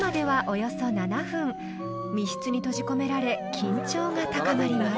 ［密室に閉じ込められ緊張が高まります］